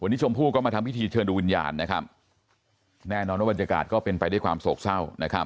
วันนี้ชมพู่ก็มาทำพิธีเชิญดูวิญญาณนะครับแน่นอนว่าบรรยากาศก็เป็นไปด้วยความโศกเศร้านะครับ